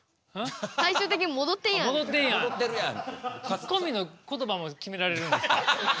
ツッコミの言葉も決められるんですか？